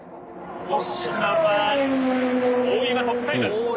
大嶋は大湯がトップタイム。